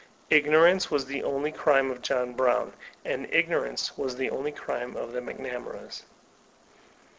Ignor ance was the only crime of John Brown, and ignorance was the only crime of the McNamaras.'